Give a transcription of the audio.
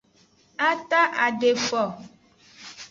A taadefo.